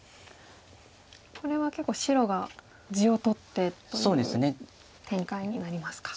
これは結構白が地を取ってという展開になりますか。